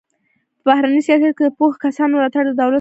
په بهرني سیاست کې د پوهو کسانو ملاتړ د دولت کړنو څخه و.